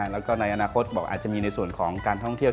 แล้วก็ในอนาคตบอกอาจจะมีในส่วนของการท่องเที่ยว